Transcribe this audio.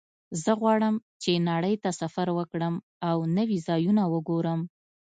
زه غواړم چې نړۍ ته سفر وکړم او نوي ځایونه وګورم